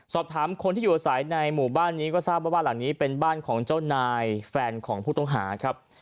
สอบถามคนที่อยู่อาศัยในหมู่บ้านนี้ก็ทราบว่าบ้านหลังนี้เป็นบ้านของเจ้านายแฟนของผู้ต้องหาครับ